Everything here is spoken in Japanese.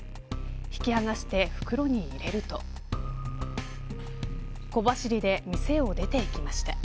引き剥がして袋に入れると小走りで店を出て行きました。